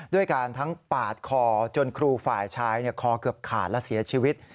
ด้วยการทั้งปาดคอจนครูฝ่ายชายคอเกือบขาดและเสียชีวิต